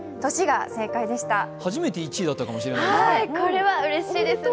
初めて１位だったかもしれないですね。